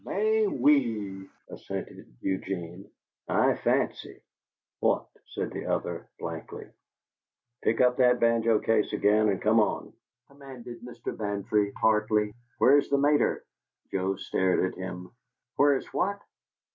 "Mais oui!" assented Eugene. "I fancy!" "What?" said the other, blankly. "Pick up that banjo case again and come on," commanded Mr. Bantry, tartly. "Where's the mater?" Joe stared at him. "Where's what?"